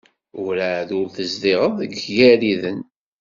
Werɛad ur tezdiɣeḍ deg Igariden.